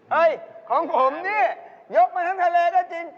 เห้ยของผมนี่ยกมาทั้งธันเลได้จริง